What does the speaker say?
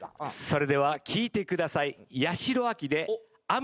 それでは聴いてください。